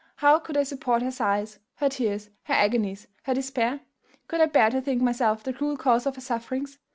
how could I support her sighs, her tears, her agonies, her despair? could I bear to think myself the cruel cause of her sufferings?